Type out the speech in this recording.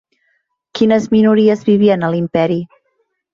Quines minories vivien a l'Imperi?